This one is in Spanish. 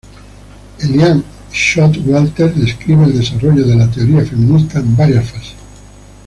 Elaine Showalter describe el desarrollo de la teoría feminista en varias fases.